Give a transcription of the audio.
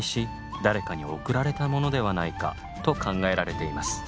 誰かに贈られたものではないかと考えられています。